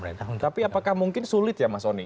ya mungkin sulit tapi apakah mungkin sulit ya mas oni